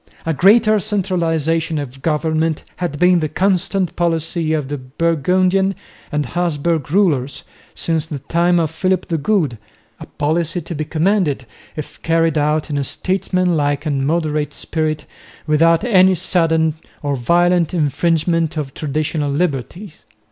A greater centralisation of government had been the constant policy of the Burgundian and Habsburg rulers since the time of Philip the Good, a policy to be commended if carried out in a statesmanlike and moderate spirit without any sudden or violent infringement of traditional liberties.